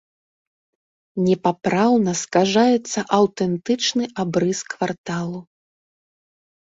Непапраўна скажаецца аўтэнтычны абрыс кварталу.